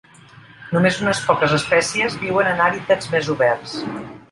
Només unes poques espècies viuen en hàbitats més oberts.